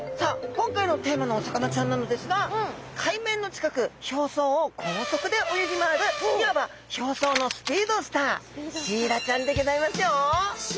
今回のテーマのお魚ちゃんなのですが海面の近く表層を高速で泳ぎ回るいわば表層のスピードスターシイラちゃんでギョざいますよ。